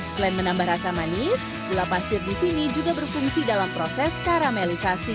selain menambah rasa manis gula pasir di sini juga berfungsi dalam proses karamelisasi